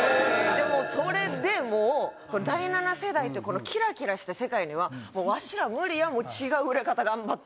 それでもう第七世代っていうこのキラキラした世界にはわしら無理やもう違う売れ方頑張っていこうみたいな。